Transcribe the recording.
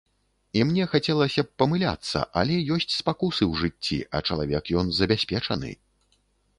І мне хацелася б памыляцца, але ёсць спакусы ў жыцці, а чалавек ён забяспечаны.